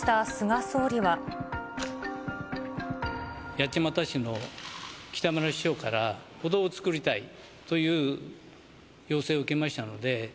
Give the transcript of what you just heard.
八街市の北村市長から、歩道を作りたいという要請を受けましたので。